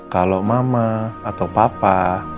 kalau mama atau papa